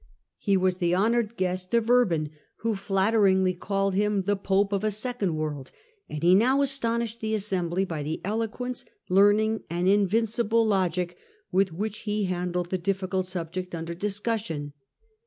He was the honoured guest of Urban, who flatteringly called him ' the Pope of a second world ;' and he now astonished the assembly by the eloquence, learning, and invincible logic with which he handled the difficult subject under discussion.